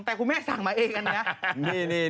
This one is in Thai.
แต่คุณแม่สั่งมาเอง